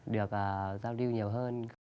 được giao lưu nhiều hơn